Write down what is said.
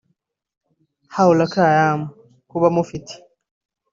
how lucky I am kuba mufite